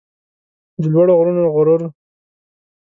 د لوړو غرونو غرور